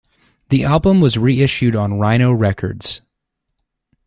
The album was reissued on Rhino Records.